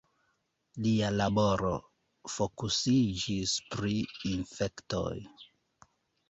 Lia laboro fokusiĝis pri infektoj.